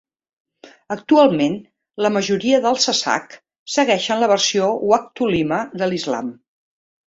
Actualment, la majoria dels sasak segueixen la versió Waktu Lima de l'Islam.